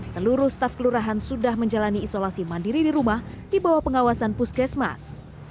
seluruh staf kelurahan sudah menjalani isolasi mandiri di rumah di bawah pengawasan puskesmas